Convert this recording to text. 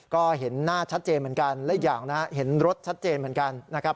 ก็เห็นหน้าชัดเจนเหมือนกันและอีกอย่างนะเห็นรถชัดเจนเหมือนกันนะครับ